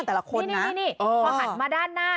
พอถัดมาด้านหน้า